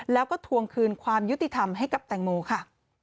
แล้วก็ทวงคืนความยุติธรรมให้กับแตงโมค่ะ